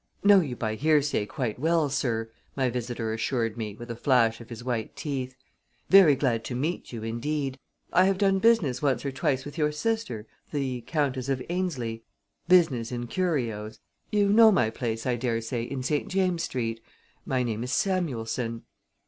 "Know you by hearsay quite well, sir," my visitor assured me, with a flash of his white teeth. "Very glad to meet you indeed. I have done business once or twice with your sister, the Countess of Aynesley business in curios. You know my place, I dare say, in St. James Street. My name is Samuelson."